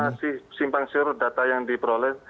masih simpang siur data yang diperoleh